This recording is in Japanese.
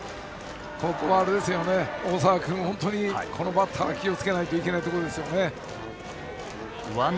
ここは大沢君このバッターは気をつけないといけないところですよね。